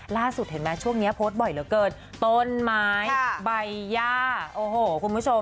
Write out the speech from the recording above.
ล่าสุดเห็นไหมช่วงนี้โพสต์บ่อยเหลือเกินต้นไม้ใบย่าโอ้โหคุณผู้ชม